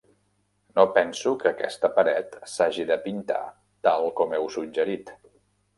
No penso que aquesta paret s'hagi de pintar tal com heu suggerit.